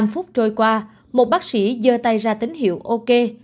năm phút trôi qua một bác sĩ dơ tay ra tín hiệu ok